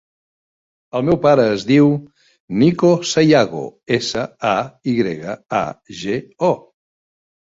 El meu pare es diu Nico Sayago: essa, a, i grega, a, ge, o.